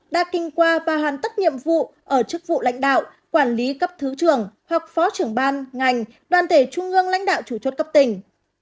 đã kinh qua và hoàn tất nhiệm vụ ở chức vụ lãnh đạo quản lý cấp thứ trưởng hoặc phó trưởng ban ngành đoàn thể trung ương lãnh đạo chủ chốt cấp tỉnh